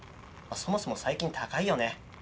そもそも最近高いよね。